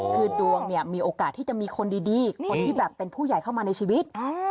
คือดวงเนี่ยมีโอกาสที่จะมีคนดีคนที่แบบเป็นผู้ใหญ่เข้ามาในชีวิต